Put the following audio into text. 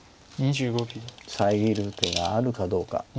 遮る手があるかどうか。